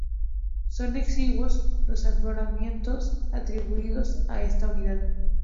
Son exiguos los afloramientos atribuidos a esta unidad.